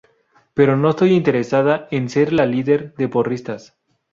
Pero no estoy interesada en ser la líder de porristas.